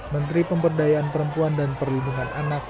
menteri pemberdayaan perempuan dan perlindungan anak